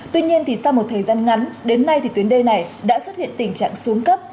tuy nhiên sau một thời gian ngắn đến nay thì tuyến đê này đã xuất hiện tình trạng xuống cấp